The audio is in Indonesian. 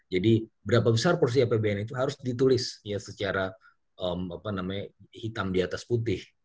jadi berapa besar porsi apbn itu harus ditulis secara hitam di atas putih